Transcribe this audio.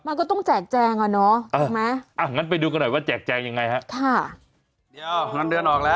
ว่าก็ต้องจะแจกแจ้งตรงนี้นะคะ